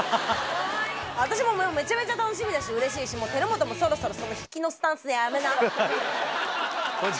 私もめちゃめちゃ楽しみだし、うれしいし、輝基も、その引きのスタンスやめな。